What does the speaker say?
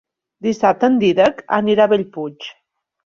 Dissabte en Dídac anirà a Bellpuig.